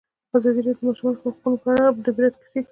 ازادي راډیو د د ماشومانو حقونه په اړه د عبرت کیسې خبر کړي.